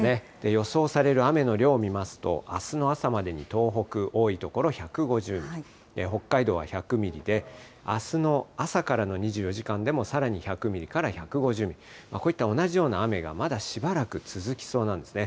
予想される雨の量を見ますと、あすの朝までに東北、多い所、１５０ミリ、北海道は１００ミリで、あすの朝からの２４時間でもさらに１００ミリから１５０ミリ、こういった同じような雨がまだしばらく続きそうなんですね。